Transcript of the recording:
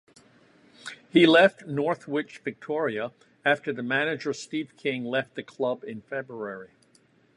He left Northwich Victoria after the manager, Steve King, left the club in February.